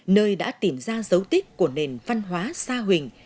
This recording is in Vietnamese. nơi đã tìm ra dấu tích của nền văn hóa sa huỳnh